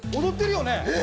踊ってるよね。